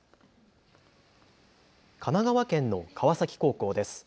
神奈川県の川崎高校です。